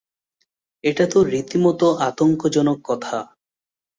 এটাতো রীতিমতো আতঙ্কজনক কথা।